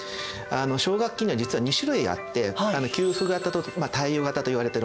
奨学金には実は２種類あって給付型と貸与型といわれているものです。